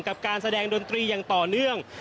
การแสดงดนตรีอย่างต่อเนื่อง